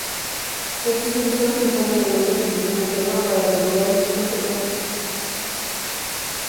Es decir, está utilizando elementos de pintura ingenua para articular un discurso propiamente artístico.